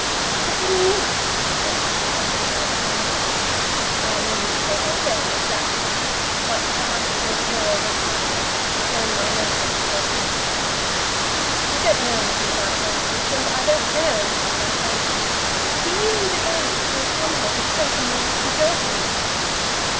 "What do you mean?" said Lizzie, flashing round upon him. "I mean what I say, exactly. But perhaps it may be well that I should explain my motives more clearly." "I don't know anything about motives, and I don't care anything about motives. Do you mean to tell me that you have come here to threaten me with deserting me?"